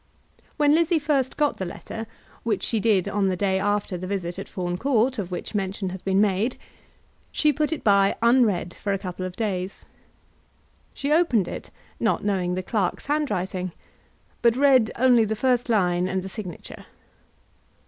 When Lizzie first got the letter, which she did on the day after the visit at Fawn Court of which mention has been made, she put it by unread for a couple of days. She opened it, not knowing the clerk's handwriting, but read only the first line and the signature.